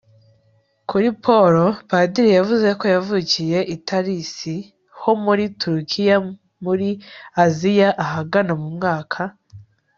kuri paulo, padiri yavuze ko yavukiye i tarisi ho muri turukiya muri aziya ahagana mu mwaka